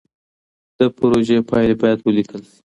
د پروژو پايلې بايد وليکل سي.